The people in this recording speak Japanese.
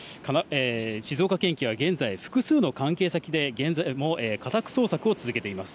静岡県警は現在、複数の関係先で現在も家宅捜索を続けています。